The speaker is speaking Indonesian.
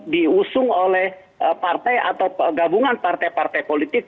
diusung oleh partai atau gabungan partai partai politik